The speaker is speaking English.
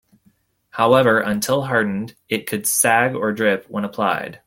However, until hardened, it could sag or drip when applied.